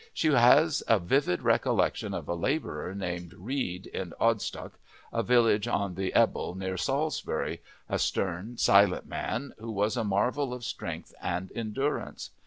She has a vivid recollection of a labourer named Reed, in Odstock, a village on the Ebble near Salisbury, a stern, silent man, who was a marvel of strength and endurance.